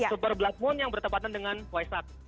super blood moon yang bertepatan dengan waisak